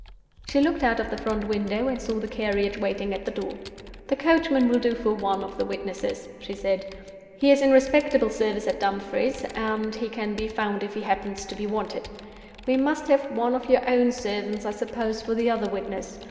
She looked out of the front window, and saw the carriage waiting at the door. "The coachman will do for one of the witnesses," she said. "He is in respectable service at Dumfries, and he can be found if he happens to be wanted. We must have one of your own servants, I suppose, for the other witness.